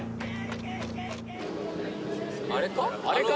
・あれか？